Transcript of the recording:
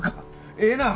ええなぁ！